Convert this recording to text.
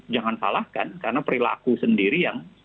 jangan salahkan karena perilaku sendiri yang